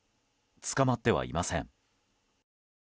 捕まってはいません。